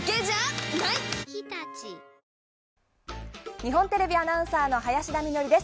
日本テレビアナウンサーの林田美学です。